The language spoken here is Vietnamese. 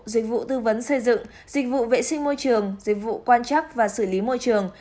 dịch vụ tư vấn xây dựng dịch vụ vệ sinh môi trường dịch vụ quan chắc và xử lý môi trường